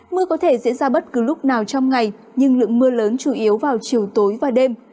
mưa có thể diễn ra bất cứ lúc nào trong ngày nhưng lượng mưa lớn chủ yếu vào chiều tối và đêm